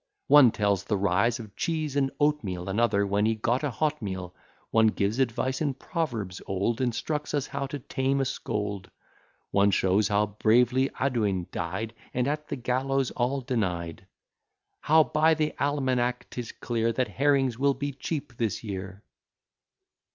One tells the rise of cheese and oatmeal; Another when he got a hot meal; One gives advice in proverbs old, Instructs us how to tame a scold; One shows how bravely Audouin died, And at the gallows all denied; How by the almanack 'tis clear, That herrings will be cheap this year.